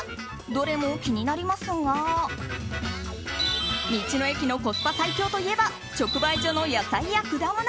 どれも気になりますが道の駅のコスパ最強といえば直売所の野菜や果物。